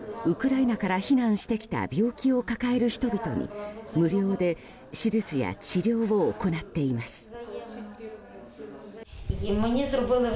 ウクライナから避難してきた病気を抱える人々に無料で手術や治療を行っています。